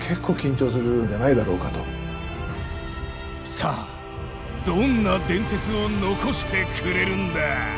さあどんな伝説を残してくれるんだ！